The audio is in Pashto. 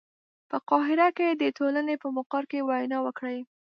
په قاهره کې د ټولنې په مقر کې وینا وکړي.